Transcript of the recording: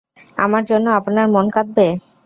আমার জন্য আপনার মন কাঁদবে?